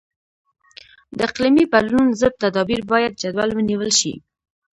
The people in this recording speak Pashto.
د اقلیمي بدلون ضد تدابیر باید جدي ونیول شي.